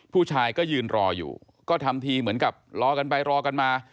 ผู้ชายก็ยืนรออยู่ก็ทำทีเหมือนกับรอกันไปรอกันมา